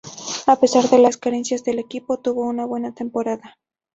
A pesar de las carencias del equipo, tuvo una buena temporada.